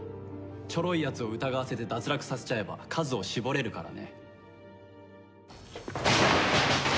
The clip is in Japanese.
ちょろいやつを疑わせて脱落させちゃえば数を絞れるからね。